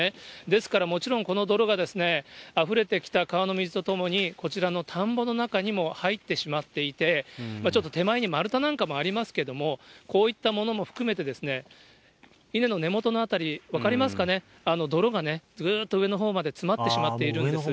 ですからもちろん、この泥があふれてきた川の水とともに、こちらの田んぼの中にも入ってしまっていて、ちょっと手前に丸太なんかもありますけども、こういったものも含めて、稲の根元の辺り、分かりますかね、泥がね、ずーっと上のほうまで詰まってしまっているんです。